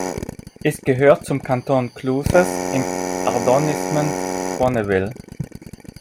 Es gehört zum Kanton Cluses im Arrondissement Bonneville.